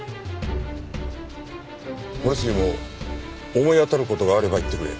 森杉も思い当たる事があれば言ってくれ。